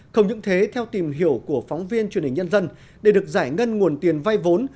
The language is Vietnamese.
không những thế theo tìm hiểu của phóng viên truyền hình nhân dân để được giải ngân nguồn tiền vay vốn